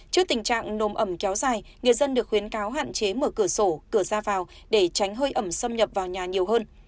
trước tình trạng nồm ẩm kéo dài người dân được khuyến cáo hạn chế mở cửa sổ cửa ra vào để tránh hơi ẩm xâm nhập vào nhà nhiều hơn